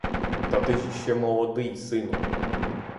Та ти ж іще молодий, сину!